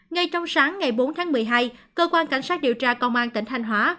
ngay trong sáng ngày bốn tháng một mươi hai cơ quan cảnh sát điều tra công an tỉnh thanh hóa